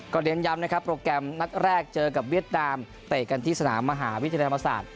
เน้นย้ำนะครับโปรแกรมนัดแรกเจอกับเวียดนามเตะกันที่สนามมหาวิทยาลัยธรรมศาสตร์